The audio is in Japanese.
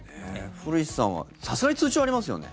古市さんはさすがに通帳ありますよね？